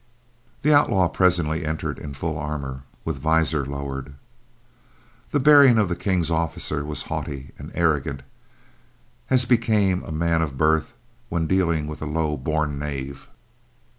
The outlaw presently entered in full armor, with visor lowered. The bearing of the King's officer was haughty and arrogant, as became a man of birth when dealing with a low born knave.